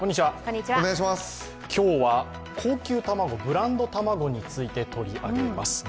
今日は高級卵、ブランド卵について取り上げます。